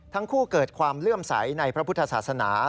ทั้งคู่เกิดความเลื่อมใสในพระพุทธศาสนา